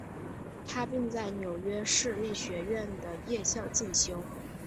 他并在纽约市立学院的夜校进修。